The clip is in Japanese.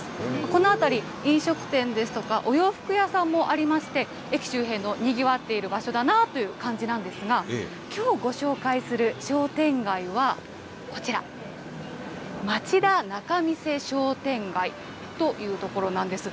この辺り、飲食店ですとか、お洋服屋さんもありまして、駅周辺のにぎわっている場所だなという感じなんですが、きょうご紹介する商店街はこちら、町田仲見世商店街という所なんです。